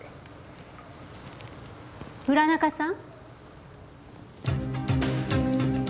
浦中さん！